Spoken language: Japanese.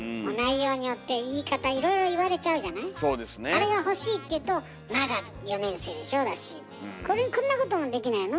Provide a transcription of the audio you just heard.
「あれが欲しい」って言うと「まだ４年生でしょ」だし「これこんなこともできないの？